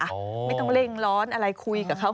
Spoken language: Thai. ไม่ต้องเร่งร้อนอะไรคุยกับเขา